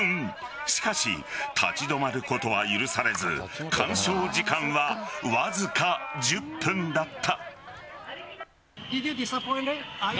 しかし立ち止まることは許されず鑑賞時間はわずか１０分だった。